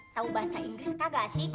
tahu bahasa inggris kagak sih